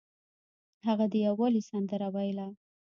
هغه د یووالي سندره ویله.